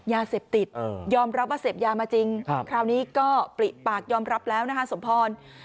ยาเสพติดยอมรับว่าเสพยามาจริงคราวนี้ก็ปลิปากยอมรับแล้วนะคะสมพร